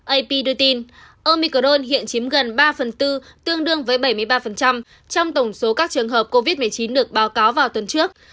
ap đưa tin omicrone hiện chiếm gần ba phần tư tương đương với bảy mươi ba trong tổng số các trường hợp covid một mươi chín được báo cáo vào tuần trước